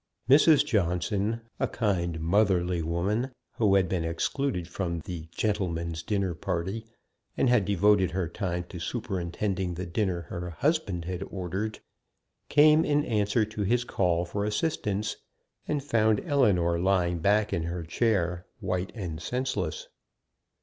Mrs. Johnson, a kind, motherly woman, who had been excluded from the "gentleman's dinner party," and had devoted her time to superintending the dinner her husband had ordered, came in answer to his call for assistance, and found Ellinor lying back in her chair white and senseless.